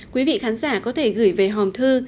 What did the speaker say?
quý vị khán giả có thể gửi về hòm thư